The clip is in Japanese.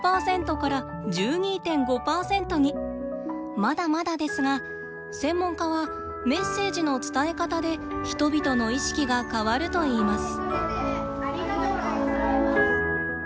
まだまだですが専門家はメッセージの伝え方で人々の意識が変わるといいます。